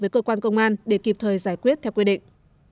với cơ quan công an để kịp thời giải quyết theo quy định